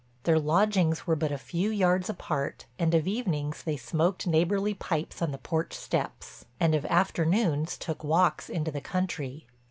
Their lodgings were but a few yards apart and of evenings they smoked neighborly pipes on the porch steps, and of afternoons took walks into the country.